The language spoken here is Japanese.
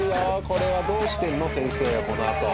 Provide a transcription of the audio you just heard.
これはどうしてんの先生は、このあと。